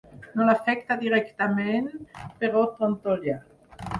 No l’afecta directament, però trontolla.